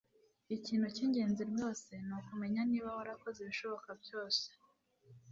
ikintu cyingenzi rwose nukumenya niba warakoze ibishoboka byose